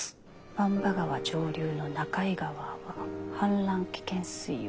「番場川上流の中居川は氾濫危険水位を超え」。